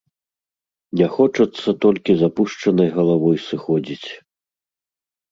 Не хочацца толькі з апушчанай галавой сыходзіць.